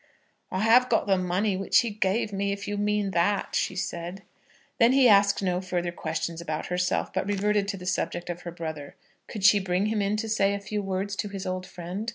"I have got the money which he gave me, if you mean that," she said. Then he asked no further questions about herself, but reverted to the subject of her brother. Could she bring him in to say a few words to his old friend?